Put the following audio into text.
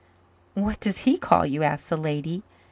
"What does he call you?" asked the lady.